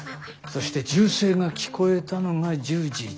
そして銃声が聞こえたのが１０時１７分。